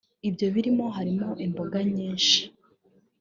Ibyo birimo harimo; Imboga nyinshi